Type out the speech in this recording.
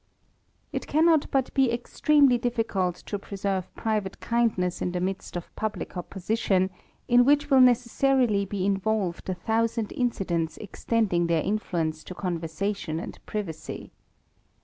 It caimot but be extremely difficult to preserve private kindness in the midst of publick opposition, in which will necessarily be involved a thousand incidents extending their influence to conversation and privacy.